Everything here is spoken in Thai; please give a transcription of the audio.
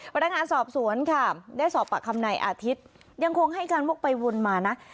พนักงานสอบสวนค่ะได้สอบปากคำนายอาทิตย์ยังคงให้การวกไปวนมานะ